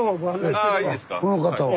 この方は？